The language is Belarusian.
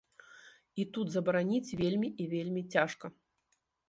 І тут забараніць вельмі і вельмі цяжка.